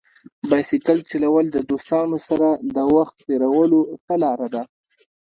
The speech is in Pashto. بایسکل چلول د دوستانو سره د وخت تېرولو ښه لار ده.